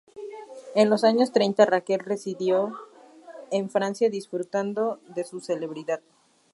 En los años treinta Raquel residió en Francia, disfrutando de su celebridad.